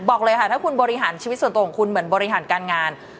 บอกเลยค่ะถ้าคุณบริหารชีวิตส่วนตัวของคุณเหมือนบริหารการงาน